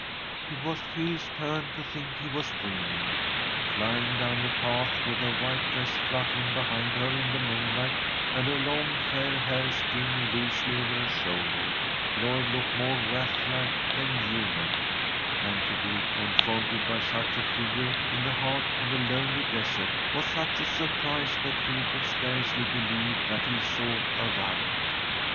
It was Phil's turn to think he was dreaming. Flying down the path with her white dress fluttering behind her in the moonlight, and her long, fair hair streaming loosely over her shoulder, Lloyd looked more wraithlike than human, and to be confronted by such a figure in the heart of a lonely desert was such a surprise that Phil could scarcely believe that he saw aright.